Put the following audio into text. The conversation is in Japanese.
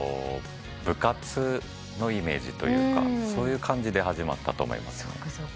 部活のイメージというかそういう感じで始まったと思いますね。